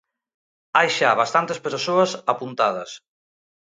Hai xa bastantes persoas apuntadas.